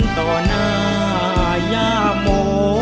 ต่อนายโม